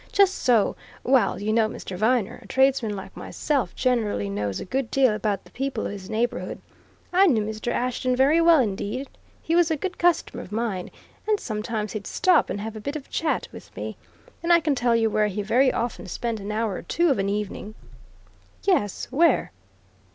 Just so. Well, you know, Mr. Viner, a tradesman like myself generally knows a good deal about the people of his neighbourhood. I knew Mr. Ashton very well indeed he was a good customer of mine, and sometimes he'd stop and have a bit of chat with me. And I can tell you where he very often spent an hour or two of an evening." "Yes where?"